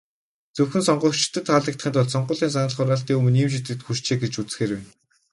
Зөвхөн сонгогчдод таалагдахын тулд, сонгуулийн санал хураалтын өмнө ийм шийдвэрт хүрчээ гэж үзэхээр байна.